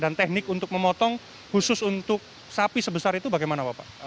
dan teknik untuk memotong khusus untuk sapi sebesar itu bagaimana pak